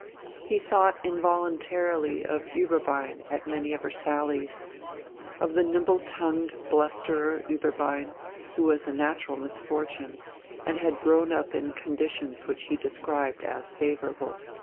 He thought involuntarily of Ueberbein at many of her sallies, of the nimble tongued blusterer Ueberbein, who was a natural misfortune, and had grown up in conditions which he described as favourable.